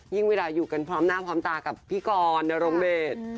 เวลาอยู่กันพร้อมหน้าพร้อมตากับพี่กรนรงเดช